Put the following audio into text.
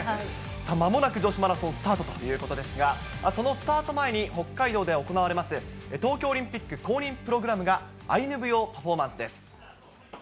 さあ、まもなく女子マラソン、スタートということですが、そのスタート前に、北海道で行われます、東京オリンピック公認プログラムが、アイヌ舞踊パフォーマンスです。